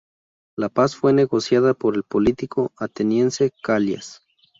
La paz fue negociada por el político ateniense Calias.